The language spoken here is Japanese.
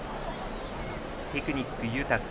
テクニックが豊か。